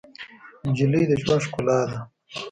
نجلۍ د ژوند ښکلا ده.